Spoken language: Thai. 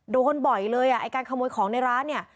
โดนบ่อยเลยอ่ะไอ้การขโมยของในร้านเนี่ย